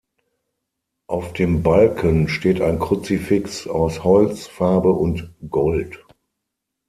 Auf dem Balken steht ein Kruzifix aus Holz, Farbe und Gold.